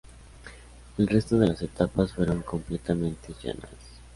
El resto de las etapas fueron completamente llanas.